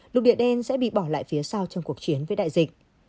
lục địa đen sẽ bị bỏ lại phía sau trong cuộc chiến với đại dịch